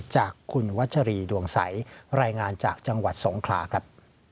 จากคุณวัชรีดวงใสรายงานจากจังหวัดสงขลาครับ